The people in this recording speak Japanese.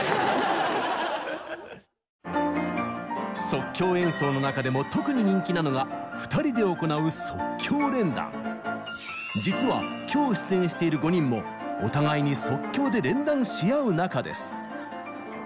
即興演奏の中でも特に人気なのが２人で行う実は今日出演している５人もお互いに即興で連弾し合う仲です。